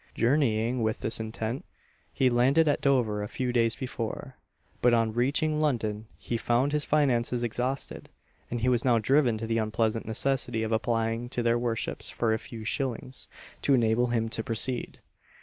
"Journeying with this intent," he landed at Dover a few days before, but on reaching London he found his finances exhausted, and he was now driven to the unpleasant necessity of applying to their worships for a few shillings, to enable him to proceed.